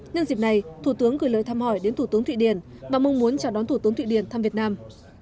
nhân dịp này thủ tướng gửi lời thăm hỏi đến thủ tướng thụy điển và mong muốn chào đón thủ tướng thụy điển thăm việt nam